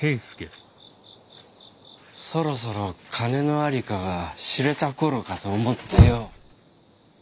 そろそろ金の在りかが知れた頃かと思ってよ。